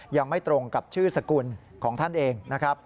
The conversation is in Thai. ยังไม่ตรงกับชื่อสกุลของท่านเองนะครับ